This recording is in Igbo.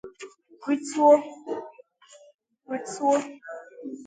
rịtuo